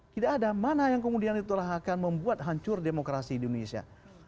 tidak ada mana yang kemudian itulah akan membuat hancur demokrasi di indonesia